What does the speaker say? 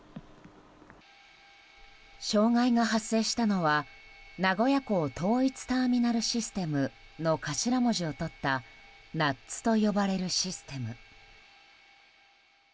障害が発生したのは、名古屋港統一ターミナルシステムの頭文字をとったＮＵＴＳと呼ばれるシステム。